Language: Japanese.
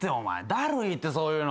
だるいってそういうの。